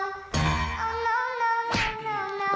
หมุนได้ไหมมาหลุ้นกัน